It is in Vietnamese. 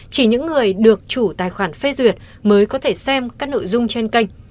chỉ những người được chủ tài khoản phê duyệt mới có thể xem các nội dung trên kênh